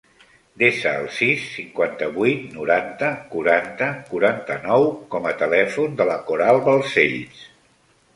Desa el sis, cinquanta-vuit, noranta, quaranta, quaranta-nou com a telèfon de la Coral Balsells.